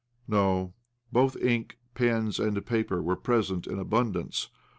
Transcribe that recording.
No ; both ink, pens, and paper were present in abundance.